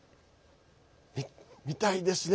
みたいですね。